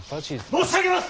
申し上げます！